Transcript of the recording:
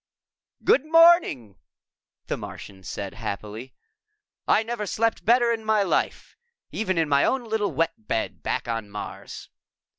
"Good morning!" the Martian said happily. "I never slept better in my life, even in my own little wet bed back on Mars."